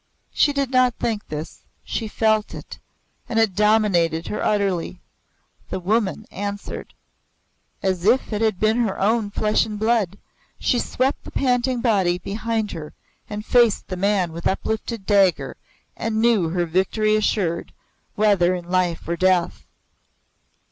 She did not think this she felt it, and it dominated her utterly. The Woman answered. As if it had been her own flesh and blood, she swept the panting body behind her and faced the man with uplifted dagger and knew her victory assured, whether in life or death.